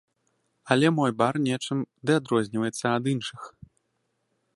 Але мой бар нечым ды адрозніваецца ад іншых.